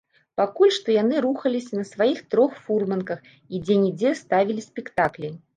Пакуль што яны рухаліся на сваіх трох фурманках і дзе-нідзе ставілі спектаклі.